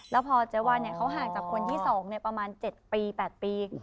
แล้วพอเจ๊วันเนี่ยเขาห่างจากคนที่สองในประมาณ๗ปี๘ปี